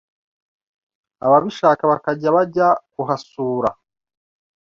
ababishaka bakajya bajya kuhasura,